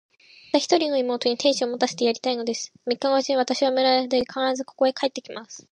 たった一人の妹に、亭主を持たせてやりたいのです。三日のうちに、私は村で結婚式を挙げさせ、必ず、ここへ帰って来ます。